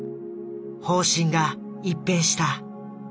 方針が一変した。